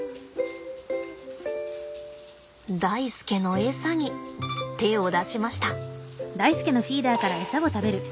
ダイスケのエサに手を出しました。